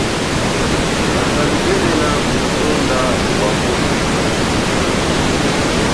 Kanda nubemena ku mutonda wa mbuma.